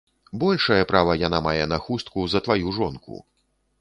Большае права яна мае на хустку за тваю жонку.